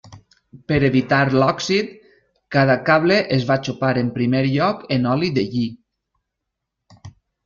Per evitar l'òxid, cada cable es va xopar en primer lloc en oli de lli.